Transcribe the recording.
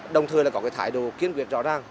đồng thời là có cái thái độ kiên quyết rõ ràng